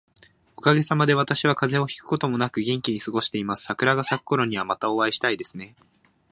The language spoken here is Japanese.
おかげさまで、私は風邪をひくこともなく元気に過ごしています。桜が咲くころには、またお会いしたいですね。